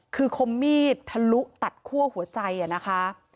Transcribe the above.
คือคมมีดทะลุตัดคั่วหัวใจนะคะ